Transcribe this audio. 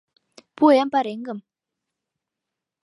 Пуэм пареҥгым!